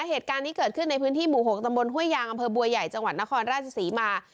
เหตุการณ์นี้เกิดขึ้นในพื้นที่หมู่๖ตำบลห้วยยางอำเภอบัวใหญ่จังหวัดนครราชศรีมา